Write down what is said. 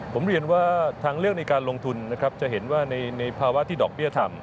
ผมเรียนว่าทางเลือกในการลงทุนนะครับจะเห็นว่าในภาวะที่ดอกเบี้ยทำ